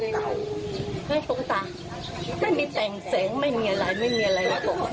แล้วลูกตาไม่มีแสงเสียงไม่มีอะไรไม่มีอะไรแล้วบอกว่า